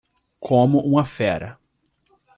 Como uma fera